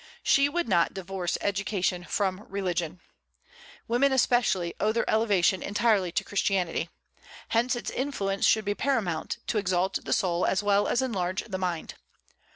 She would not divorce education from religion. Women, especially, owe their elevation entirely to Christianity. Hence its influence should be paramount, to exalt the soul as well as enlarge the mind.